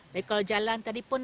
dan kalau jalan tadi pun